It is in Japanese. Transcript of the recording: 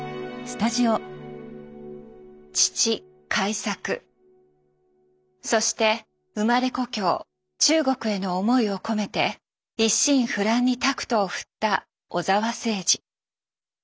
父開作そして生まれ故郷中国への思いを込めて一心不乱にタクトを振った小澤征爾。